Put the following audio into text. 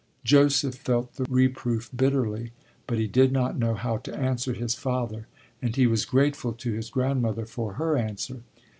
Joseph felt the reproof bitterly, but he did not know how to answer his father and he was grateful to his grandmother for her answer.